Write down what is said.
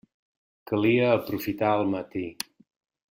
Calia aprofitar el matí.